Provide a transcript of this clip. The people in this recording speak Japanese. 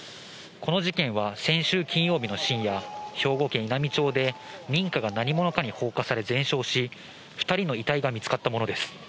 この事件は先週金曜日の深夜、兵庫県稲美町で、民家が何者かに放火され、全焼し、２人の遺体が見つかったものです。